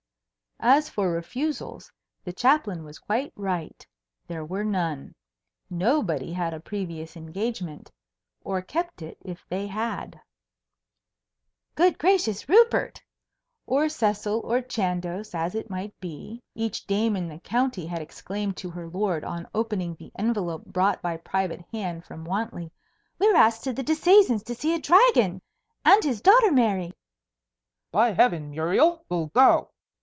As for refusals, the Chaplain was quite right. There were none. Nobody had a previous engagement or kept it, if they had. "Good gracious, Rupert!" (or Cecil, or Chandos, as it might be,) each dame in the county had exclaimed to her lord on opening the envelope brought by private hand from Wantley, "we're asked to the Disseisins to see a dragon, and his daughter married." "By heaven, Muriel, we'll go!"